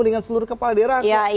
dengan seluruh kepala daerah